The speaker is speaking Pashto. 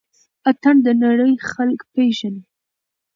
اتڼ د نړۍ خلک پيژني